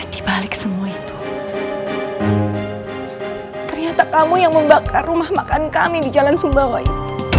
dibalik semua itu ternyata kamu yang membakar rumah makan kami di jalan sumbawa ini